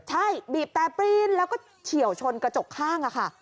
ใช่บีบแต่ปรี้นแล้วก็เฉียวชนกระจกข้างค่ะ